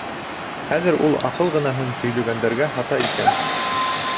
Хәҙер ул аҡылғынаһын төйлөгәндәргә һата икән.